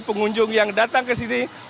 pengunjung yang datang kesini